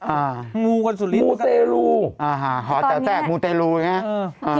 อ่ามูกันสุดท้ายมูเตลูอ่าฮอแต๊กมูเตลูอย่างนี้